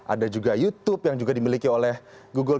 ada juga youtube yang juga dimiliki oleh google